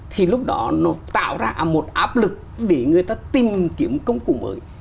thì lúc đó nó tạo ra một áp lực để người ta tìm kiếm công cụ mới